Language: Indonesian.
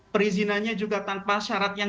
perizinannya juga tanpa syarat yang